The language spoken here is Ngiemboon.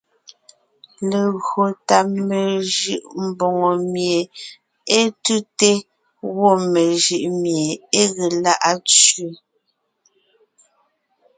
Legÿo tà mejʉʼ mbòŋo mie é tʉ́te; gwɔ́ mejʉʼ mié é ge lá’a tsẅé.